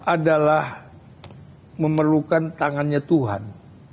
adalah memerlukan tangannya tuhan